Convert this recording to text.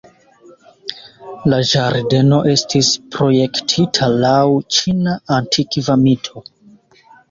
La ĝardeno estis projektita laŭ ĉina antikva mito.